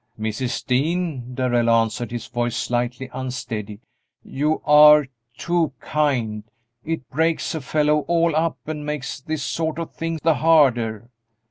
"Mrs. Dean," Darrell answered, his voice slightly unsteady, "you are too kind; it breaks a fellow all up and makes this sort of thing the harder!"